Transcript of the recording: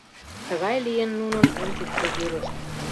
Тыгай лийын нунын ончычсо вӱрышт.